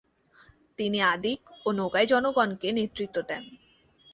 তিনি আদিগ ও নোগাই জনগণকে নেতৃত্ব দেন।